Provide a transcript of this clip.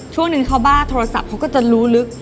ช่วงนึงเขาบ้าโทรศัพท์เขาก็จะรู้ลึก